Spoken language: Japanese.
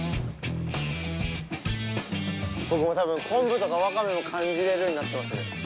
僕もう多分昆布とかワカメも感じれるようになってますね。